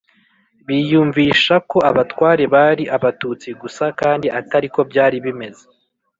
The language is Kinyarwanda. biyumvisha ko abatware bari abatutsi gusa, kandi atariko byari bimeze